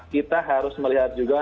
kita harus melihat juga